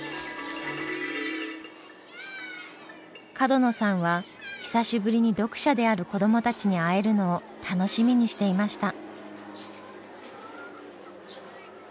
角野さんは久しぶりに読者である子どもたちに会えるのを楽しみにしていました。